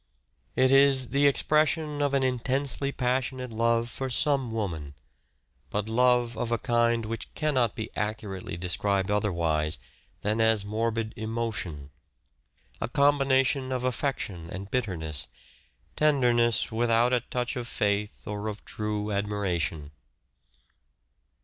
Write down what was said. It is the expression of an intensely passionate love for some woman ; but love of a kind which cannot be accurately described otherwise than as morbid emotion ; a combination of affection and bitteiness ; tenderness, without a touch of faith or of true ad miration.